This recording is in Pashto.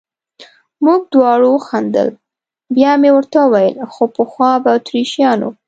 موږ دواړو وخندل، بیا مې ورته وویل: خو پخوا به اتریشیانو.